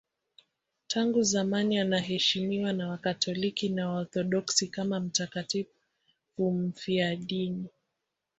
Tangu zamani anaheshimiwa na Wakatoliki na Waorthodoksi kama mtakatifu mfiadini.